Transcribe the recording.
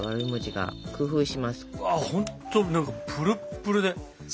うわっほんと何かプルップルで。